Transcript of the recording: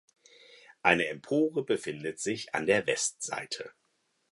Eine Empore befindet sich an der Westseite.